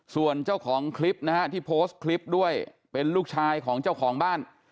ส่วนเจ้าของคลิปนะฮะที่โพสต์คลิปด้วยเป็นลูกชายของเจ้าของบ้าน